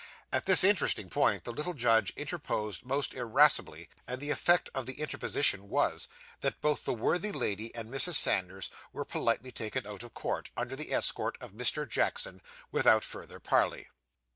At this interesting point, the little judge interposed most irascibly; and the effect of the interposition was, that both the worthy lady and Mrs. Sanders were politely taken out of court, under the escort of Mr. Jackson, without further parley.